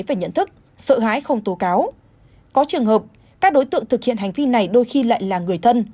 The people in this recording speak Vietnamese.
về nhận thức sợ hãi không tố cáo có trường hợp các đối tượng thực hiện hành vi này đôi khi lại là người thân